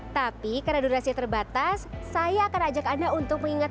tapi karena durasi terbatas saya akan ajak anda untuk mengingat